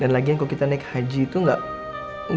dan lagian kalau kita naik haji itu bisa naik haji ya bang